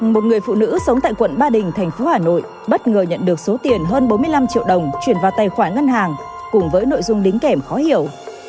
một người phụ nữ sống tại quận ba đình thành phố hà nội bất ngờ nhận được số tiền hơn bốn mươi năm triệu đồng chuyển vào tài khoản ngân hàng cùng với nội dung đính kèm khó hiểu